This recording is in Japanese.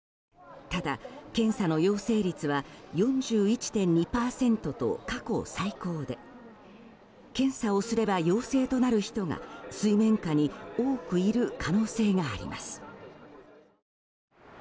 ただ、検査の陽性率は４１．２％と過去最高で検査をすれば、陽性となる人が水面下に多くいる可能性があります。